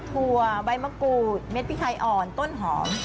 ถั่วใบมะกรูดเม็ดพริกไทยอ่อนต้นหอม